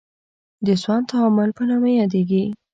د سون تعامل په نامه یادیږي.